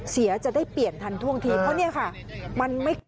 จะได้เปลี่ยนทันท่วงทีเพราะเนี่ยค่ะ